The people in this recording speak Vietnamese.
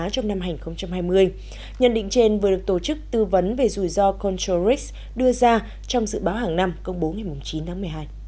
công ty châu á trong năm hai nghìn hai mươi nhận định trên vừa được tổ chức tư vấn về rủi ro control risk đưa ra trong dự báo hàng năm công bố ngày chín tháng một mươi hai